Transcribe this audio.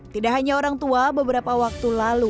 tidak hanya orang tua beberapa waktu lalu